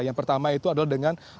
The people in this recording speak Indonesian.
yang pertama itu adalah dengan